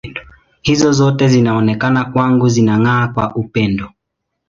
Hizo zote zinaonekana kwangu zinang’aa kwa upendo.